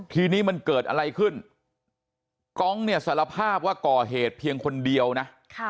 ทีนี้มันเกิดอะไรขึ้นกองเนี่ยสารภาพว่าก่อเหตุเพียงคนเดียวนะ